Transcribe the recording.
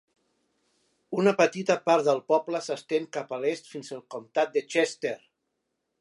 Una petita part del poble s'estén cap a l'est fins al comtat de Chester.